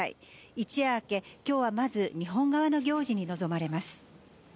一夜明け、きょうはまず日本側の行事に臨まれます。